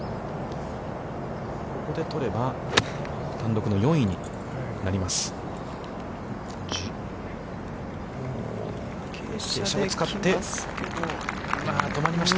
ここで取れば、単独の４位になります。